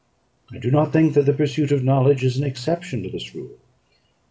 I do not think that the pursuit of knowledge is an exception to this rule.